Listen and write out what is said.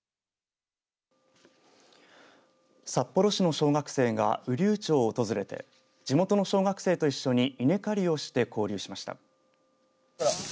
札幌市の小学生が雨竜町を訪れて地元の小学生と一緒に稲刈りをして交流しました。